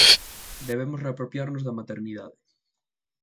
Debemos reapropiarnos da maternidade.